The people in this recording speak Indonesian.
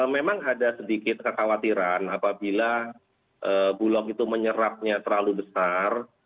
memang ada sedikit kekhawatiran apabila bulog itu menyerapnya terlalu besar